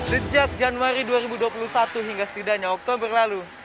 sejak januari dua ribu dua puluh satu hingga setidaknya oktober lalu